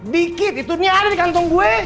dikit itunya ada di kantong gue